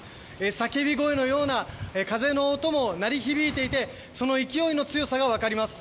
叫び声のような風の音も鳴り響いていてその勢いの強さが分かります。